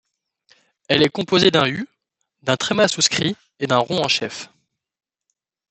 Elle est composée d’un U, d’un tréma souscrit et d’un rond en chef.